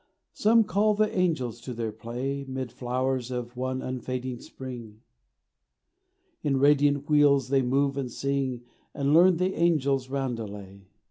Some call the angels to their play Mid flowers of one unfading spring; In radiant wheels they move and sing, And learn the angels' roundelay.